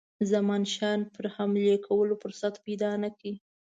زمانشاه پر حملې کولو فرصت پیدا نه کړي.